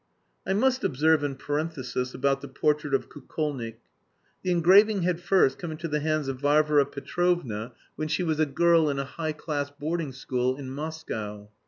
I must observe in parenthesis about the portrait of Kukolnik; the engraving had first come into the hands of Varvara Petrovna when she was a girl in a high class boarding school in Moscow.